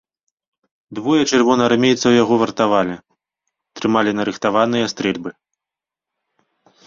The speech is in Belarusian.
Двое чырвонаармейцаў яго вартавалі, трымалі нарыхтаваныя стрэльбы.